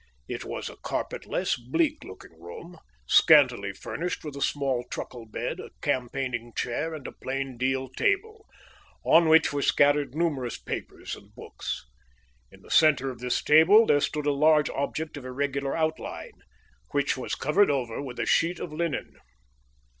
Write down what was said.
It was a carpetless, bleak looking room, scantily furnished with a small truckle bed, a campaigning chair, and a plain deal table, on which were scattered numerous papers and books. In the centre of this table there stood a large object of irregular outline, which was covered over with a sheet of linen.